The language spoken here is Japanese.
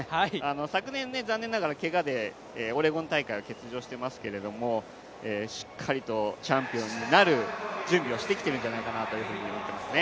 昨年、残念ながらけがでオレゴン大会は欠場していますけども、しっかりとチャンピオンになる準備をしてきているんじゃないかというふうに思っていますね。